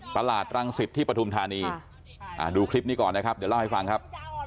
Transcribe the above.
ตลาดรังสิตที่ปฐุมธานีดูคลิปนี้ก่อนนะครับเดี๋ยวเล่าให้ฟังครับ